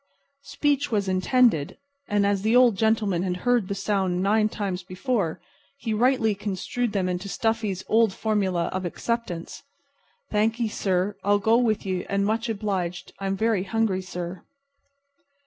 Speech was intended; and as the Old Gentleman had heard the sounds nine times before, he rightly construed them into Stuffy's old formula of acceptance. "Thankee, sir. I'll go with ye, and much obliged. I'm very hungry, sir."